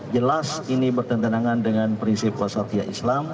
jelas ini bertentangan dengan prinsip wasatiyah